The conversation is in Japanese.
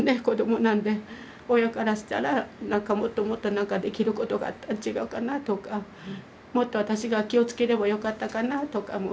子供なんで親からしたら何かもっともっと何かできることがあったん違うかなとかもっと私が気をつければよかったかなとか。